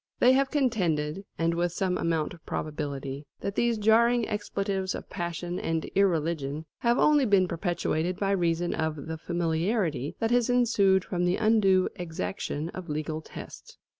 They have contended, and with some amount of probability, that these jarring expletives of passion and irreligion have only been perpetuated by reason of the familiarity that has ensued from the undue exaction of legal tests.